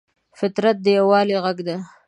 فطرت د یووالي غږ دی.